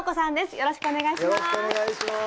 よろしくお願いします。